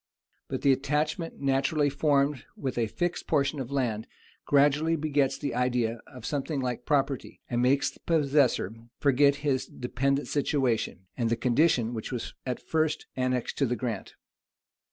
But the attachment, naturally formed with a fixed portion of land, gradually begets the idea of something like property, and makes the possessor forget his dependent situation, and the condition which was at first annexed to the grant.